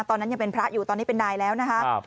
ตอนนั้นยังเป็นพระอยู่ตอนนี้เป็นนายแล้วนะคะ